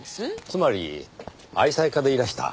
つまり愛妻家でいらした。